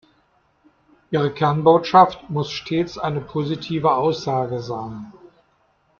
Ihre Kernbotschaft muss stets eine positive Aussage sein.